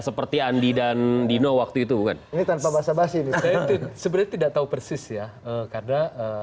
seperti andi dan dino waktu itu bukan ini tanpa bahasa bahasa ini tidak tahu persis ya karena